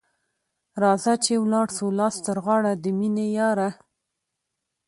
راځه چي ولاړ سو لاس تر غاړه ، د میني یاره